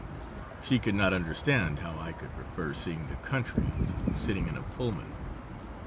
She could not understand how I could prefer seeing the country to sitting in a Pullman.